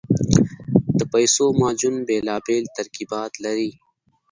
د پیسو معجون بېلابېل ترکیبات لري.